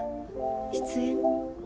出演？